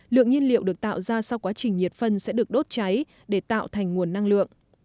lượng nhiên liệu được tạo ra sau quá trình nhiệt phân sẽ được đốt cháy để tạo thành nguồn năng lượng